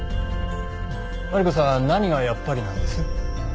マリコさん何がやっぱりなんです？